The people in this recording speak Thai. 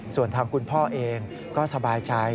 ส่วนทางคุณพ่อเองก็สบายใจ